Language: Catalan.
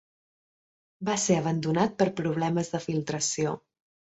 Va ser abandonat per problemes de filtració.